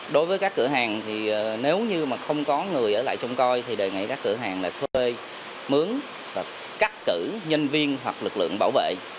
đối với các cửa hàng thì nếu như mà không có người ở lại trông coi thì đề nghị các cửa hàng là thuê mướn và cắt cử nhân viên hoặc lực lượng bảo vệ